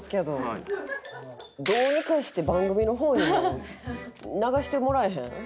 どうにかして番組の方にも流してもらえへん？